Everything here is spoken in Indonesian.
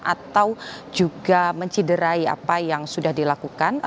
atau juga menciderai apa yang sudah dilakukan